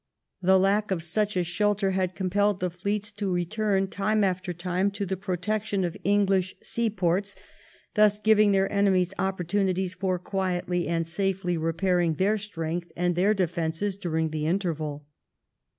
The lack of such a shelter had compelled the fleets to return time after time to the protection of English seaports, thus giving their enemies opportunities for quietly and safely repairing their strength and their defences during the interval.